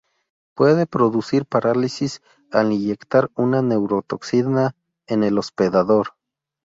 Puede producir parálisis al inyectar una neurotoxina en el hospedador.